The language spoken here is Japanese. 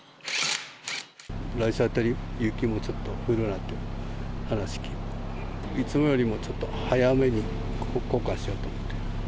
来週あたり、雪もちょっと降るなんて話聞いて、いつもよりもちょっと早めに交換